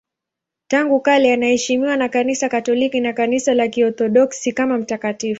Tangu kale anaheshimiwa na Kanisa Katoliki na Kanisa la Kiorthodoksi kama mtakatifu.